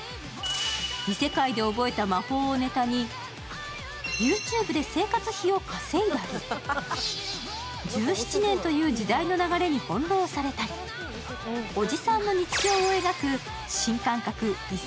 異世界で覚えた魔法をネタにＹｏｕＴｕｂｅで生活費を稼いだり１７年という時代の流れに翻弄されたりおじさんの日常を描く新感覚異